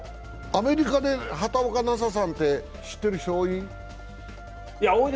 アメリカで畑岡奈紗さんって、知ってる人多い？